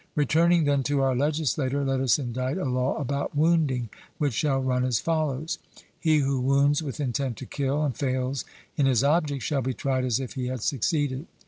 Returning, then, to our legislator, let us indite a law about wounding, which shall run as follows: He who wounds with intent to kill, and fails in his object, shall be tried as if he had succeeded.